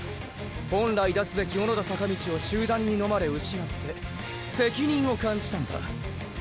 本来出すべき小野田坂道を集団にのまれ失って責任を感じたんだ。